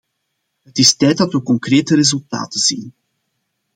Het is tijd dat we concrete resultaten zien.